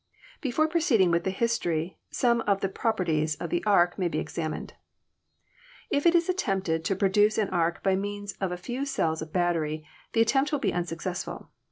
Before proceeding with the history some of the proper ties of the arc may be examined. If it is attempted to pro duce an arc by means of a few cells of battery the at tempt will be unsuccessful.